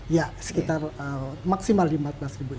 ya sekitar maksimal rp lima belas itu